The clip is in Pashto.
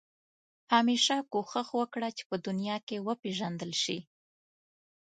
همېشه کوښښ وکړه چې په دنیا کې وپېژندل شې.